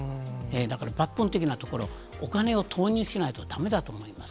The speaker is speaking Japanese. だから、抜本的なところ、お金を投入しないとだめだと思います。